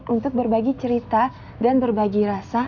untuk berbagi cerita dan berbagi rasa